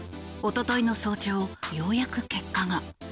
おとといの早朝ようやく結果が。